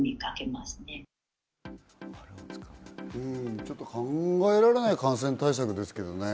ちょっと考えられない感染対策ですけどね。